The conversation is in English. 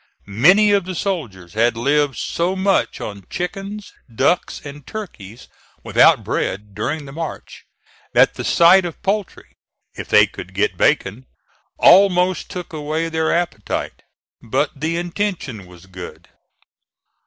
Many of the soldiers had lived so much on chickens, ducks and turkeys without bread during the march, that the sight of poultry, if they could get bacon, almost took away their appetite. But the intention was good.